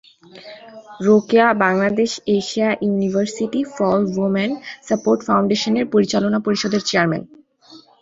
Rokeya Bangladesh Asia university for women support ফাউন্ডেশনের পরিচালনা পরিষদের চেয়ারম্যান।